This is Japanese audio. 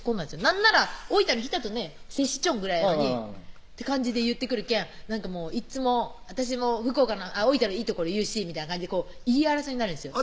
なんなら大分の日田とね接しちょんぐらいやのにって感じで言ってくるけんいっつも「私も大分のいいところ言うし」みたいな感じで言い争いになるんですよ